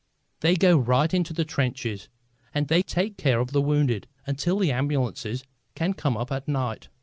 They go right into the trenches, and they take care of the wounded until the ambulances can come up at night.